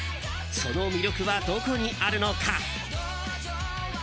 その魅力はどこにあるのか。